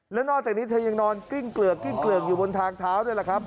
และนอกจากนี้เธอยังนอนกลิ้งเกลือกอยู่บนทางเท้าด้วยล่ะครับ